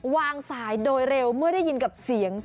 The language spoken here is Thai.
วางสายโดยเร็วเมื่อได้ยินกับเสียง